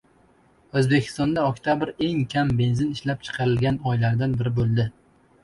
O‘zbekistonda oktabr eng kam benzin ishlab chiqarilgan oylardan biri bo‘ldi